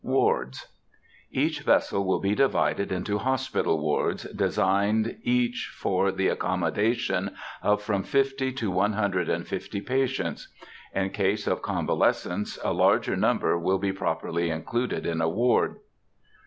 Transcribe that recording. WARDS. Each vessel will be divided into hospital wards, designed each for the accommodation of from fifty to one hundred and fifty patients. In case of convalescents, a larger number will be properly included in a ward.